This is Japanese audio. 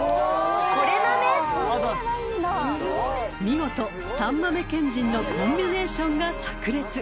［見事三豆賢人のコンビネーションが炸裂］